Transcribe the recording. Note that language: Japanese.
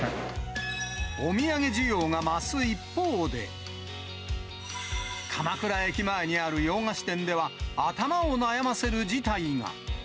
お土産需要が増す一方で、鎌倉駅前にある洋菓子店では、頭を悩ませる自体が。